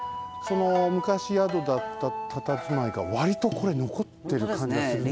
昔宿だったたたずまいがわりとこれのこってるかんじがするね。